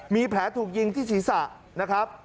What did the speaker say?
มีแผลถูกยิงที่ศีรษะนะครับ